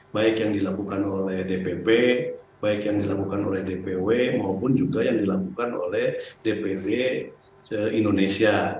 baik yang dilakukan oleh dpp baik yang dilakukan oleh dpw maupun juga yang dilakukan oleh dpw indonesia